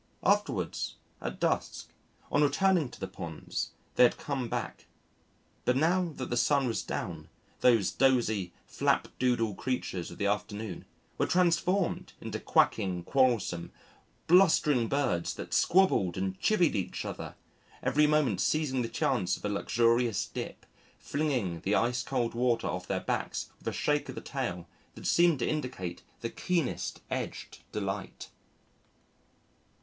Afterwards, at dusk, on returning to the ponds, they had come back; but now that the sun was down, those dozy, flapdoodle creatures of the afternoon were transformed into quacking, quarrelsome, blustering birds that squabbled and chivvied each other, every moment seizing the chance of a luxurious dip, flinging the ice cold water off their backs with a shake of the tail that seemed to indicate the keenest edged delight.